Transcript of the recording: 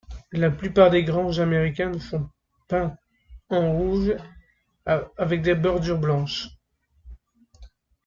La plupart des granges américaines sont peints en rouge, avec des bordures blanches.